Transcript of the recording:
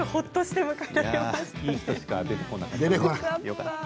いい人しか出てこなかった。